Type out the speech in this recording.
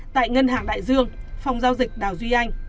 tại ngân hàng đại dương phòng giao dịch đào duy anh